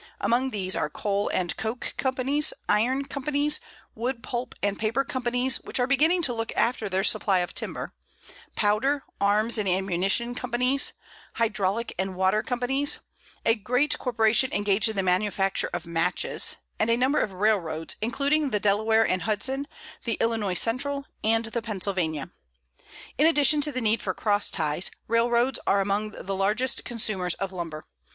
Among these are coal and coke companies, iron companies, wood pulp and paper companies which are beginning to look after their supply of timber; powder, arms, and ammunition companies, hydraulic and water companies; a great corporation engaged in the manufacture of matches; and a number of railroads, including the Delaware and Hudson, the Illinois Central, and the Pennsylvania. In addition to the need for cross ties, railroads are among the largest consumers of lumber.